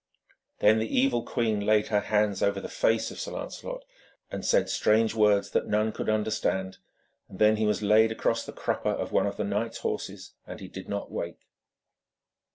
Then the evil queen laid her hands over the face of Sir Lancelot, and said strange words that none could understand, and then he was laid across the crupper of one of the knights' horses, and he did not wake.